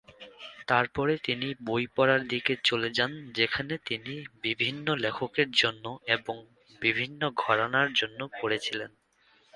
তারপরে তিনি বই পড়ার দিকে চলে যান, যেখানে তিনি বিভিন্ন লেখকের জন্য এবং বিভিন্ন ঘরানার জন্য পড়েছিলেন।